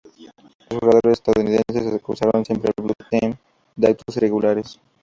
Los jugadores estadounidenses acusaron siempre al Blue Team de actos irregulares.